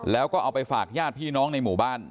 แล้วก็เอาไปฝากญาติพี่น้องในหมู่บ้าน